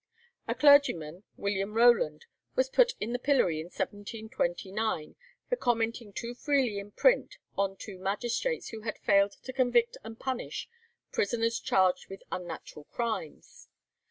A clergyman, William Rowland, was put in the pillory in 1729 for commenting too freely in print on two magistrates who had failed to convict and punish prisoners charged with unnatural crimes.